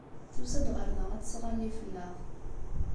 Tusa-d ɣer da ad tesɣalli fell-aɣ.